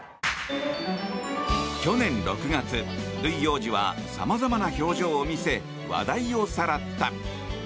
去年６月、ルイ王子はさまざまな表情を見せ話題をさらった。